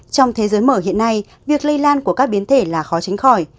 trong thế giới mở hiện nay việc lây lan của các biến thể là khó tránh khỏi